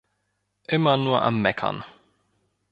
Immer nur am Meckern!